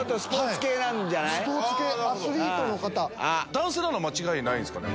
男性なのは間違いないですかね。